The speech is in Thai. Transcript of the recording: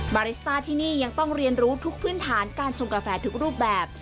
บาริสต้าที่นี่ยังต้องเรียนรู้ทุกพื้นฐานการชงกาแฟทุกรูปแบบ